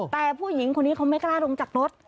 แต่ผู้หญิงคนนี้เขาไม่กล้าลงจากรถ